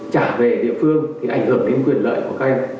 trả về địa phương thì ảnh hưởng đến quyền lợi của các em